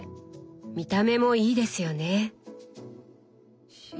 見た目もいいですよね。